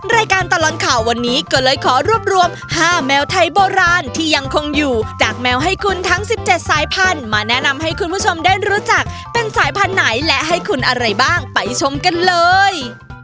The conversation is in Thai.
รายการตลอดข่าววันนี้ก็เลยขอรวบรวม๕แมวไทยโบราณที่ยังคงอยู่จากแมวให้คุณทั้ง๑๗สายพันธุ์มาแนะนำให้คุณผู้ชมได้รู้จักเป็นสายพันธุ์ไหนและให้คุณอะไรบ้างไปชมกันเลย